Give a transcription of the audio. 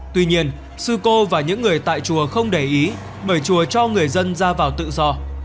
tuy nhiên sư cô và những người tại chùa không để ý bởi chùa cho người dân ra vào tự do